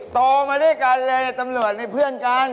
โตมาด้วยกันเลยตำรวจในเพื่อนกัน